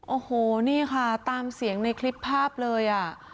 โอ้โหนี่ค่ะตามเสียงในคลิปภาพเลยอ่ะ